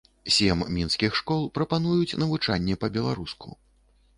Сем мінскіх школ прапануюць навучанне па-беларуску.